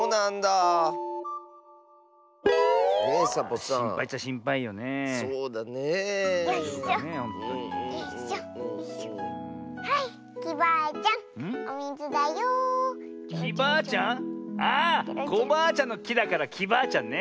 あっコバアちゃんのきだからきバアちゃんね。